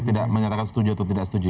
tidak menyatakan setuju atau tidak setuju